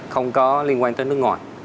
không có liên quan tới nước ngoài